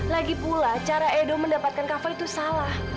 lagipula cara edo mendapatkan kava itu salah